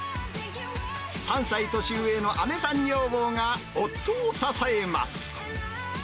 ３歳年上の姉さん女房が夫を支えます。